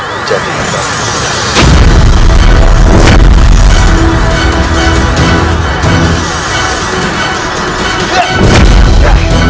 menjadi yang terbaik